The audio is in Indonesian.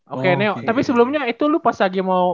oke neo tapi sebelumnya itu lo pas lagi mau